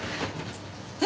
え？